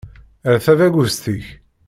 Err tabagust-ik.